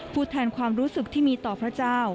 พูดแทนความรู้สึกที่มีต่อพระเจ้า